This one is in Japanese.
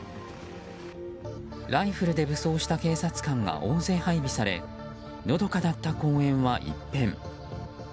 ライフルで武装した警察官が大勢配備されのどかだった公園は一変。